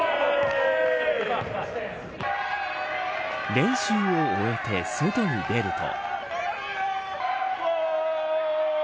練習を終えて外に出ると。